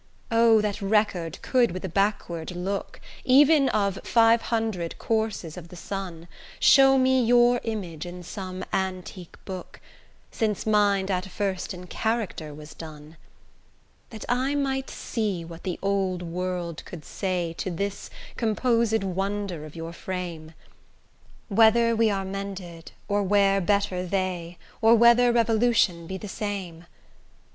O! that record could with a backward look, Even of five hundred courses of the sun, Show me your image in some antique book, Since mind at first in character was done! That I might see what the old world could say To this composed wonder of your frame; Wh'r we are mended, or wh'r better they, Or whether revolution be the same. O!